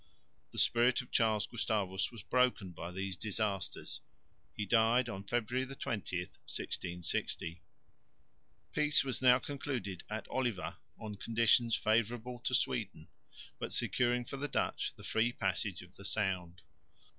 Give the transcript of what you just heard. The spirit of Charles Gustavus was broken by these disasters; he died on February 20, 1660. Peace was now concluded at Oliva on conditions favourable to Sweden, but securing for the Dutch the free passage of the Sound.